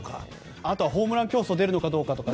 あとはホームラン競争出るのかとかね。